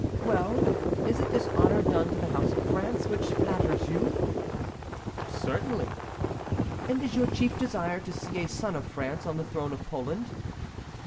"Well, is it this honor done to the house of France which flatters you?" "Certainly." "And is your chief desire to see a son of France on the throne of Poland?"